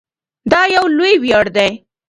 دا یو لوی ویاړ دی.